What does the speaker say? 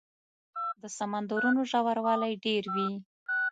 د سمندرونو ژوروالی ډېر وي.